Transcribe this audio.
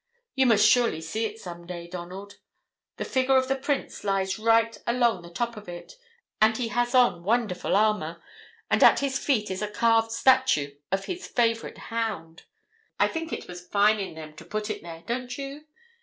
You must surely see it some day, Donald. The figure of the Prince lies right along the top of it, and he has on wonderful armor, and at his feet is a carved statue of his favorite hound. I think it was fine in them to put it there, don't you?